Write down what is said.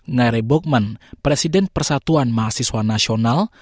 ngaire bogman presiden persatuan mahasiswa nasional